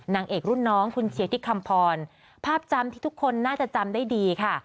นางเอกรุ่นน้องคุณเชียร์ที่คำพรภาพจำที่ทุกคนน่าจะจำได้ดีค่ะ